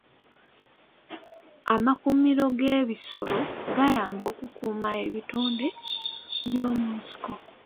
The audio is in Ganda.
Amakuumiro g'ebisolo gayamba okukuuma ebitonde by'omu nsiko.